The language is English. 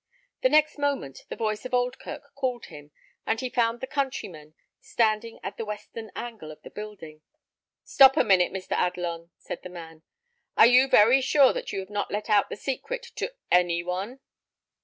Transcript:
The next moment the voice of Oldkirk called him; and he found the countryman standing at the western angle of the building. "Stop a minute, Mr. Adelon," said the man; "are you very sure that you have not let out the secret to any one?"